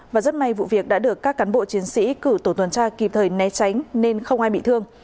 và rất may vụ việc đã được các cán bộ chiến sĩ cử tổ tuần tra kịp thời né tránh nên không ai bị thương